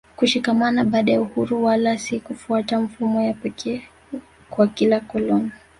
kushikamana baada ya uhuru wala si kufuata mifumo ya pekee kwa kila koloni